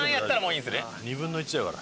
２分の１だから。